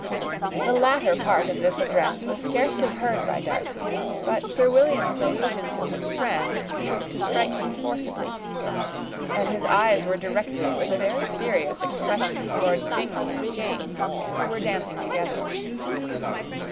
_]] The latter part of this address was scarcely heard by Darcy; but Sir William's allusion to his friend seemed to strike him forcibly, and his eyes were directed, with a very serious expression, towards Bingley and Jane, who were dancing together.